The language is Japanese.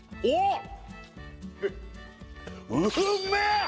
おっ！